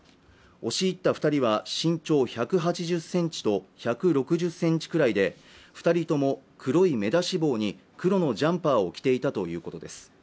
押し入った二人は身長１８０センチと１６０センチくらいで二人とも黒い目出し帽に黒のジャンパーを着ていたということです